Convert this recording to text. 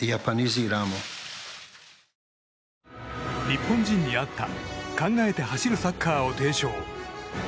日本人に合った考えて走るサッカーを提唱。